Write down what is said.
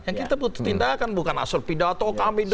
yang kita butuh tindakan bukan asal pidato kami itu